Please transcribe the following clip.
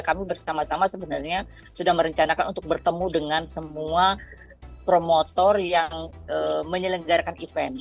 kami bersama sama sebenarnya sudah merencanakan untuk bertemu dengan semua promotor yang menyelenggarakan event